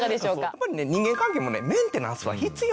やっぱり人間関係もメンテナンスは必要。